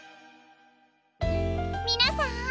みなさん